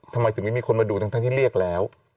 ทำไมถึงไม่มีคนมาดูทั้งที่เรียกแล้ว